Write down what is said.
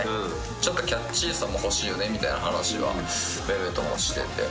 ちょっとキャッチーさも欲しいよねみたいな話はめめともしてて。